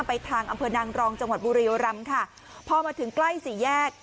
ไปทางอำเภอนางรองจังหวัดบุรียรำค่ะพอมาถึงใกล้สี่แยก